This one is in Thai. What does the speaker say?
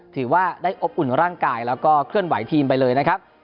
ถือว่าได้อบอุ่นร่างกายแล้วก็เคลื่อนไหวทีมไปเลยนะครับ